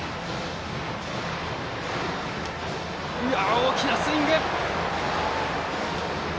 大きなスイング！